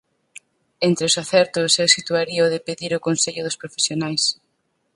Entre os acertos eu situaría o de pedir o consello dos profesionais.